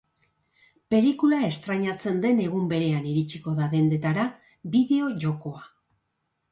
Pelikula estrainatzen den egun berean iritsiko da dendetara bideo-jokoa.